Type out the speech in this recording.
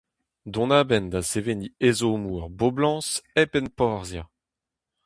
Dont a-benn da seveniñ ezhommoù ur boblañs hep enporzhiañ.